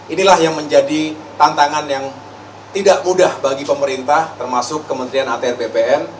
inilah yang menjadi tantangan yang tidak mudah bagi pemerintah termasuk kementerian atr bpn